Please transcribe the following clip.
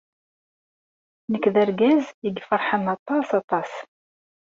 Nekk d argaz ay ifeṛḥen aṭas, aṭas.